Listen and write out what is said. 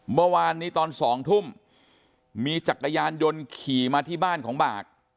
เมื่อวานนี้ตอน๒ทุ่มมีจักรยานยนต์ขี่มาที่บ้านของบาก